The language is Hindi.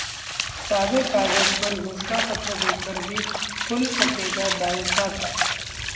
सादे कागज पर घोषणा पत्र देकर भी खुल सकेगा बैंक खाता